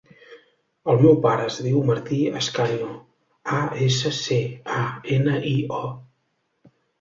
El meu pare es diu Martí Ascanio: a, essa, ce, a, ena, i, o.